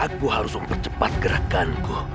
aku harus mempercepat gerakanku